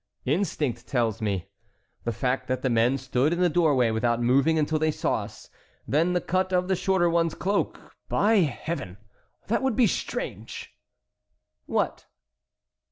"Instinct tells me. The fact that the men stood in the doorway without moving until they saw us; then the cut of the shorter one's cloak—by Heaven! that would be strange!" "What?"